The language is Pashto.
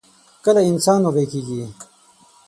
کله انسان وږۍ کيږي؟